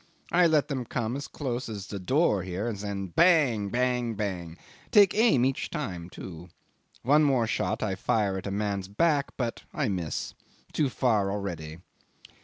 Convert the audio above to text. I let them come as close as the door here, and then bang, bang, bang take aim each time too. One more shot I fire at a man's back, but I miss. Too far already.